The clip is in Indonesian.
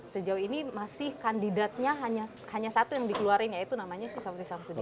sejauh ini masih kandidatnya hanya satu yang dikeluarin yaitu namanya susafri samsudin